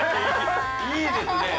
◆いいですね。